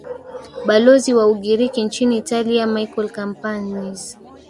balozi wa ugiriki nchini italia michael kampaniz